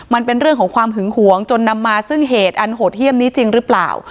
มันเป็นเรื่องของความหึงหวงจนนำมาซึ่งเหตุอันโหดเยี่ยมนี้จริงหรือเปล่า